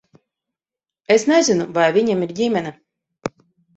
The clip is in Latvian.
Es nezinu, vai viņam ir ģimene.